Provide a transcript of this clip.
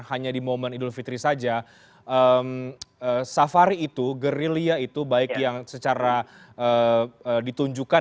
hanya di momen idul fitri saja safari itu gerilya itu baik yang secara ditunjukkan